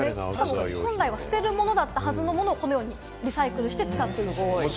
本来は捨てるはずだったものを、このようにリサイクルして使っていると。